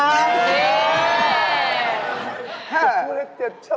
สวัสดีครับ